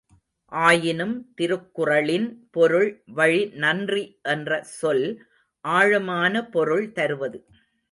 ஆயினும், திருக்குறளின் பொருள் வழி நன்றி என்ற சொல் ஆழமான பொருள் தருவது.